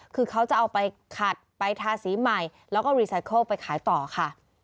คือเขาจะเอาไปขัดไปทาสีใหม่แล้วก็รีไซเคิลไปขายต่อค่ะ